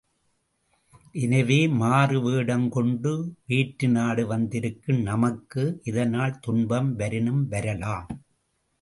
எனவே, மாறு வேடங்கொண்டு வேற்றுநாடு வந்திருக்கும் நமக்கு, இதனால் துன்பம் வரினும் வரலாம்.